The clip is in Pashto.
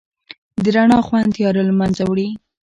د رڼا خوند تیاره لمنځه وړي.